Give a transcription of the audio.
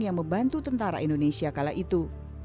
yang membantu tentara indonesia kala itu